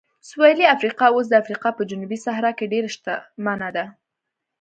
سویلي افریقا اوس د افریقا په جنوبي صحرا کې ډېره شتمنه ده.